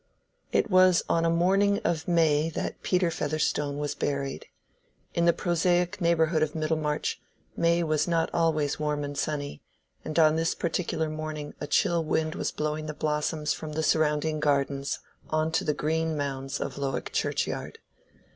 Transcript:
It was on a morning of May that Peter Featherstone was buried. In the prosaic neighborhood of Middlemarch, May was not always warm and sunny, and on this particular morning a chill wind was blowing the blossoms from the surrounding gardens on to the green mounds of Lowick churchyard.